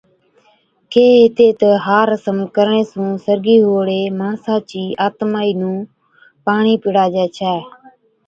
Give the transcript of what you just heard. ڪيھي ھِتي تہ ھا رسم ڪرڻي سُون سرگِي ھئُوڙي ماڻسا چِي آتمائِي نُون پاڻِي پِڙاجَي ڇَي